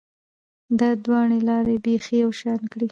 دا دواړې لارې بیخي یو شان کړې